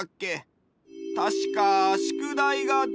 たしかしゅくだいがどうとか。